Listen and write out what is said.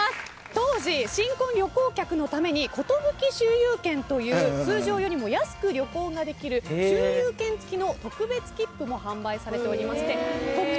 当時新婚旅行客のためにことぶき周遊券という通常よりも安く旅行ができる周遊券付きの特別切符も販売されておりまして。